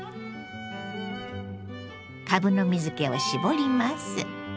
かぶの水けを絞ります。